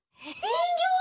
にんぎょう？